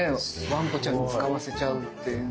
わんこちゃんに使わせちゃうっていう。